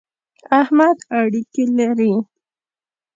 احمد اړېکی لري.